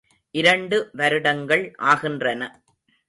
இரண்டு வருடங்கள் ஆகின்றன.